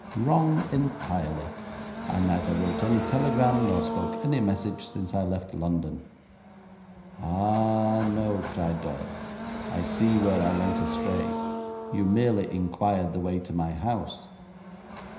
'Wrong entirely. I neither wrote any telegram, nor spoke any message, since I left London.' 'Ah, no,' cried Doyle. 'I see where I went astray. You merely inquired the way to my house.'